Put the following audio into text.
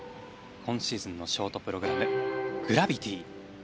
今シーズンのショートプログラム「Ｇｒａｖｉｔｙ」。